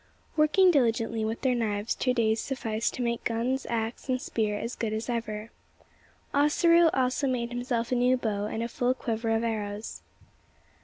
Working diligently with their knives two days sufficed to make guns, axe, and spear as good as ever. Ossaroo also made himself a new bow and a full quiver of arrows.